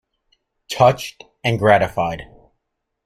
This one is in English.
Touched and gratified.